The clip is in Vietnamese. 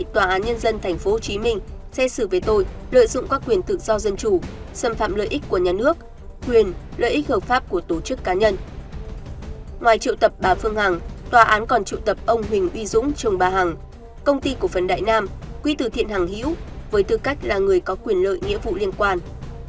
tòa án còn trụ tập ông huỳnh uy dũng chồng bà hằng công ty cổ phấn đại nam quý tử thiện hằng hiếu với tư cách là người có quyền lợi nghĩa vụ liên quan